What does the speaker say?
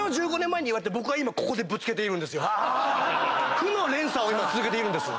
負の連鎖を今続けている。